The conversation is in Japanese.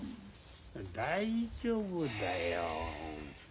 大丈夫だよ。